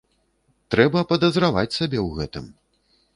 Трэба падазраваць сябе ў гэтым.